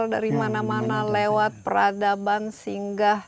dari mana mana lewat peradaban singgah